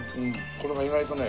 これが意外とね